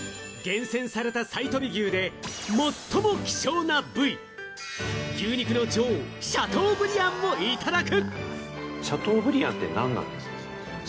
厳選された最飛び牛で最も希少な部位、牛肉の女王・シャトーブリアンもいただく！